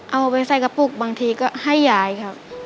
เอาไปใส่กระปุกบางทีก็ให้ยายครับ